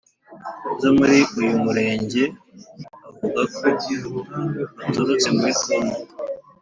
zo muri uyu murenge avuga ko baturutse muri congo